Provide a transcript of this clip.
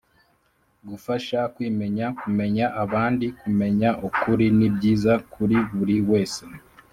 Gufasha, kwimenya , kumenya abandi , kumenya ukuri ni byiza kuri buri wese.